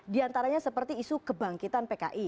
di antaranya seperti isu kebangkitan pki